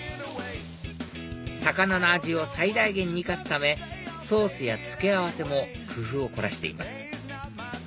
魚の味を最大限に生かすためソースや付け合わせも工夫を凝らしています